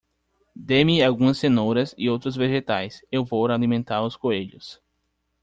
Dê-me algumas cenouras e outros vegetais. Eu vou alimentar os coelhos.